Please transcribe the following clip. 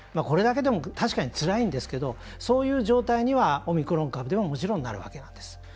これだけでも確かにつらいんですけどそういう状態にはオミクロン株ではもちろんなるわけなんです。